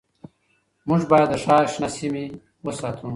موږ باید د ښار شنه سیمې وساتو